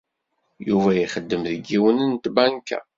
Yuba ixeddem deg yiwen n tbanka.